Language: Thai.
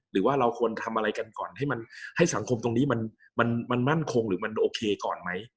หรือว่าเราควรทำอะไรกันก่อนให้มันให้สังคมตรงนี้มันมั่นคงหรือมันโอเคก่อนไหม